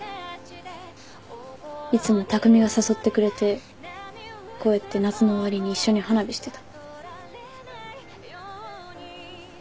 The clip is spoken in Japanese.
いつも匠が誘ってくれてこうやって夏の終わりに一緒に花火してた。